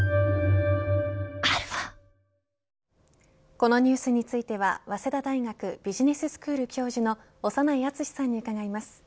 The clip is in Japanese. このニュースについては早稲田大学ビジネススクール教授の長内厚さんに伺います。